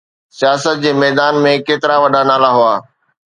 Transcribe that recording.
سياست جي ميدان ۾ ڪيترا وڏا نالا هئا؟